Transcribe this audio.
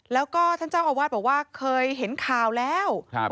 แล้วก็ท่านเจ้าอาวาสบอกว่าเคยเห็นข่าวแล้ว